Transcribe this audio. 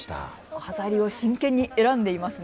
飾りを真剣に選んでいますね。